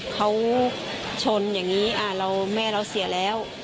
เขาชนอย่างนี้แม่เราเสียแล้ว